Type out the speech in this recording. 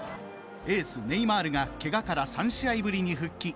エース、ネイマールがけがから３試合ぶりに復帰。